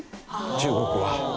中国は。